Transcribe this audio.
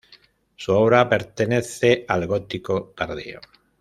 Su obra pertenece al gótico tardío.